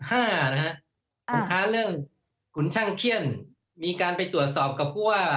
คุณคะเรื่องขุนช่างเขี้ยนมีการไปตรวจสอบกับผู้ว่า